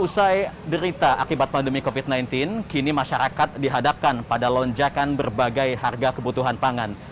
usai derita akibat pandemi covid sembilan belas kini masyarakat dihadapkan pada lonjakan berbagai harga kebutuhan pangan